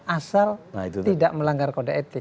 asal tidak melanggar kode etik